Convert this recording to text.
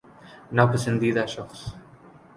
نا پسندیدہ شخص